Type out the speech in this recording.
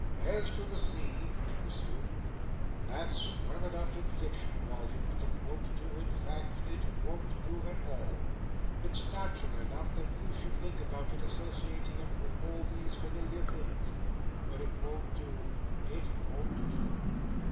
"As to the Sea," he pursued, "that's well enough in fiction, Wally, but it won't do in fact: it won't do at all. It's natural enough that you should think about it, associating it with all these familiar things; but it won't do, it won't do."